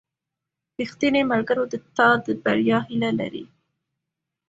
• ریښتینی ملګری د تا د بریا هیله لري.